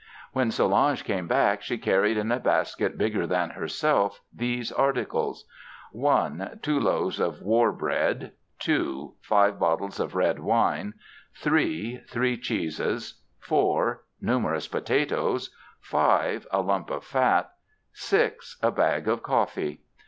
When Solange came back she carried in a basket bigger than herself these articles: (1) two loaves of war bread; (2) five bottles of red wine; (3) three cheeses; (4) numerous potatoes; (5) a lump of fat; (6) a bag of coffee.